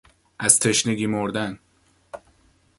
از تشنگی مردن